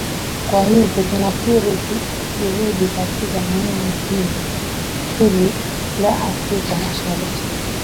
kwa hivyo tunafikiri juhudi katika eneo hili la afrika mashariki